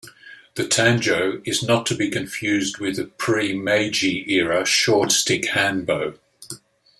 The tanjo is not to be confused with the pre-meji era short stick hanbo.